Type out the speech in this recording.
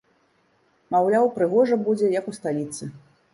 Маўляў, прыгожа будзе, як у сталіцы.